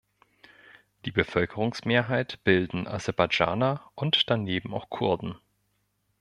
Die Bevölkerungsmehrheit bilden Aserbaidschaner und daneben auch Kurden.